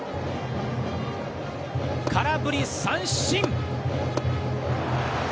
空振り三振！